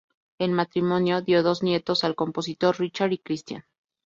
El matrimonio dio dos nietos al compositor, Richard y Christian.